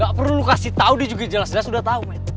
gak perlu lo kasih tau dia juga jelas jelas udah tau men